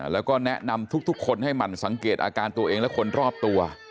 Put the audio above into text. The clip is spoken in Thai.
แล้วก็แนะนำทุกคนให้หมั่นสังเกตอาการตัวเองและคนรอบตัว